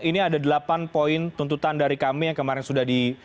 ini ada delapan poin tuntutan dari kami yang kemarin sudah di